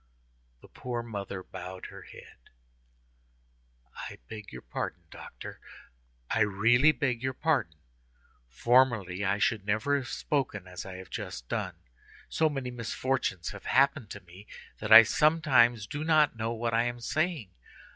The poor mother bowed her head. "I beg your pardon, doctor, I really beg your pardon. Formerly I should never have spoken as I have just done; so many misfortunes have happened to me, that I sometimes do not know what I am saying.